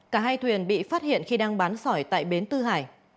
cả hai thuyền bị phát hiện khi đang bán sỏi tại bến tư hải